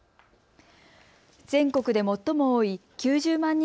全国で最も多い９０万